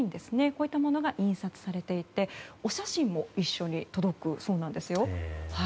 こういったものが印刷されていてお写真も一緒に届くそうなんですよ。